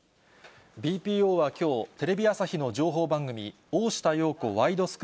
ＢＰＯはきょう、テレビ朝日の情報番組、大下容子ワイド！